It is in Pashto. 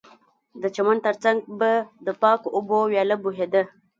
د چمن ترڅنګ به د پاکو اوبو ویاله بهېده